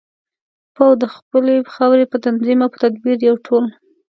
پوه د خپلې خاورې په تنظیم او په تدبیر یو ټول.